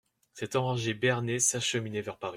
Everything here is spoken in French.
Cet enragé Béarnais s'acheminait vers Paris.